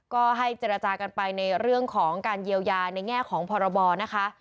ก็ให้เจรจากันไปในเรื่องของการเยียวยาในแง่ของพรบนะคะ